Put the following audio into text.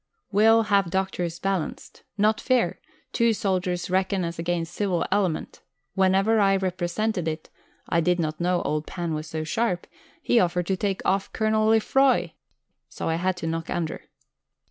Will have Drs. balanced. Not fair: two soldiers reckon as against Civil element. Whenever I represented it (I did not know old "Pan" was so sharp), he offered to take off Col. Lefroy! So I had to knock under.